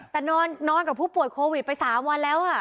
แต่นอนกับผู้ป่วยโควิดไป๓วันแล้ว